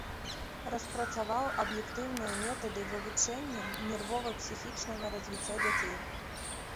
Распрацаваў аб'ектыўныя метады вывучэння нервова-псіхічнага развіцця дзяцей.